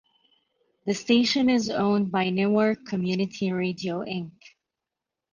The station is owned by Newark Community Radio Inc.